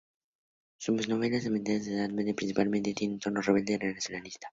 Sus novelas, ambientadas en la Edad Media principalmente, tienen un tono rebelde y nacionalista.